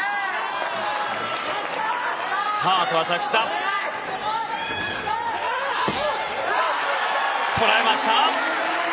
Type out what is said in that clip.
着地、こらえました！